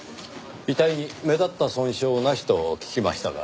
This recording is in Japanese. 遺体に目立った損傷なしと聞きましたが。